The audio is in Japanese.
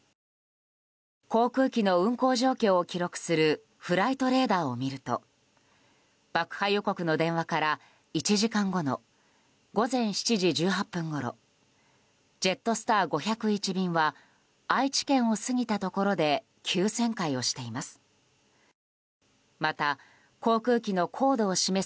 航空機の運航状況を記録するフライトレーダーを見ると爆破予告の電話から１時間後の午前７時１８分ごろジェットスター５０１便は愛知県を過ぎたところで急旋回をしています。